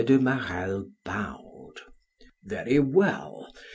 M. de Marelle bowed. "Very well.